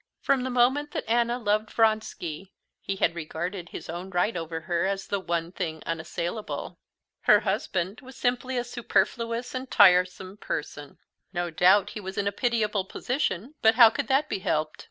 From the moment that Anna loved Vronsky, he had regarded his own right over her as the one thing unassailable. Her husband was simply a superfluous and tiresome person. No doubt he was in a pitiable position, but how could that be helped?